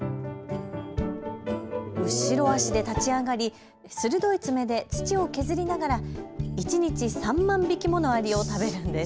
後ろ足で立ち上がり、鋭い爪で土を削りながら一日３万匹ものアリを食べるんです。